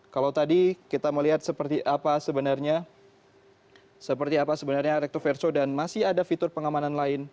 kalau tadi kita melihat seperti apa sebenarnya recto verso dan masih ada fitur pengamanan lain